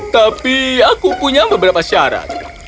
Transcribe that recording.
tapi aku punya beberapa syarat